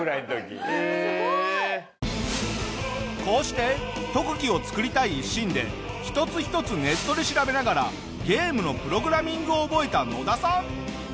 こうして特技を作りたい一心で一つ一つネットで調べながらゲームのプログラミングを覚えた野田さん。